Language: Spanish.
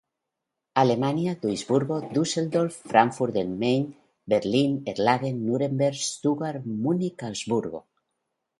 Alemania: Duisburgo, Dusseldorf, Frankfurt del Main, Berlín, Erlangen, Nuremberg, Stuttgart, Munich, Augsburgo, Ingolstadt.